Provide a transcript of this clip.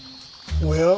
おや？